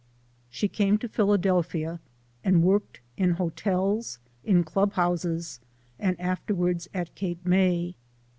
: She came to Philadelphia, and worked in hotels, in club houses, and afterwards at Cape May.